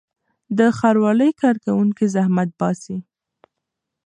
د ښاروالۍ کارکوونکي زحمت باسي.